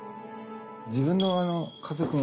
「自分の家族の。